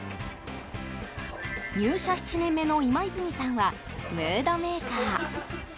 入社７年目の今泉さんはムードメーカー。